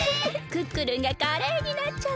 クックルンがカレーになっちゃった！